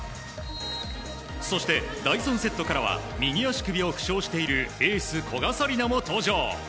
そして、第３セットからは右足首を負傷しているエース、古賀紗理那も登場。